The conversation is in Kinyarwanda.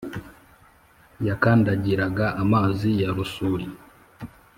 yakandagiraga amazi ya rusuri